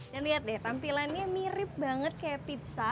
dan lihat deh tampilannya mirip banget kayak pizza